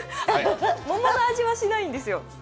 桃の味はしないんです。